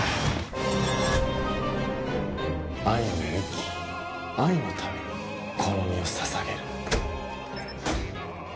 愛に生き愛のためにこの身をささげる。